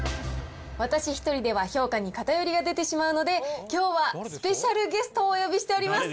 私一人では評価に偏りが出てしまうので、きょうはスペシャルゲストをお呼びしております。